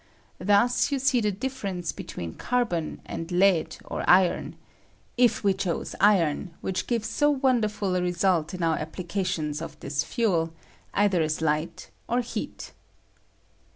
Thus yon see the difference between carbon and lead or iron — if we chose iron, which gives so wonder ful a result in our applications of this fuel, either as light or heat.